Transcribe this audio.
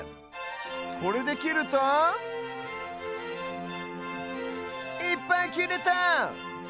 これできるといっぱいきれた！